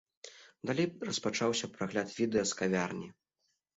Далей распачаўся прагляд відэа з кавярні.